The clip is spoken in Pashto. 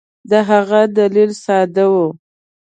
د هغه دلیل ساده وو.